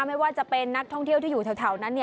ไม่ว่าจะเป็นนักท่องเที่ยวที่อยู่แถวนั้น